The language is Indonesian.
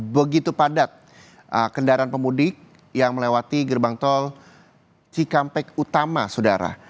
begitu padat kendaraan pemudik yang melewati gerbang tol cikampek utama saudara